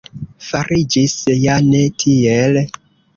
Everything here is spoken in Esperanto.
Fariĝis ja ne tiel.